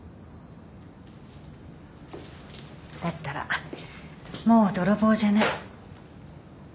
だったらもう泥棒じゃない。